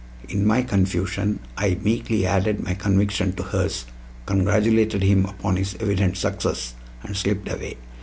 In my confusion I meekly added my conviction to hers, congratulated him upon his evident success, and slipped away.